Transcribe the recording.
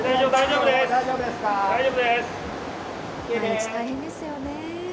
毎日、大変ですよね。